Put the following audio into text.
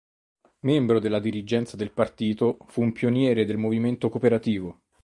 Membro della dirigenza del partito, fu un pioniere del movimento cooperativo.